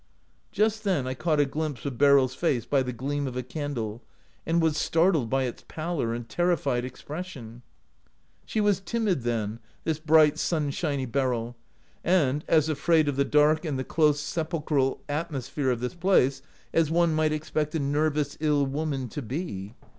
'" Just then I caught a glimpse of Beryl's face by the gleam of a candle, and was startled by its pallor and terrified expression. She was timid, then, this bright, sunshiny Beryl, and. as afraid of the dark and the close, sepulchral atmosphere of this place as one might expect a nervous, ill woman to be.